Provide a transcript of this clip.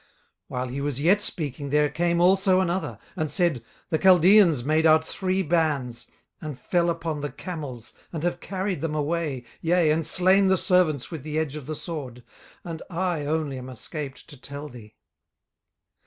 18:001:017 While he was yet speaking, there came also another, and said, The Chaldeans made out three bands, and fell upon the camels, and have carried them away, yea, and slain the servants with the edge of the sword; and I only am escaped alone to tell thee.